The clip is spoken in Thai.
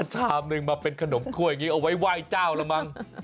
ชำหนึ่งมาเป็นขนมถ้วยเอาไว้ไหว้เจ้าะ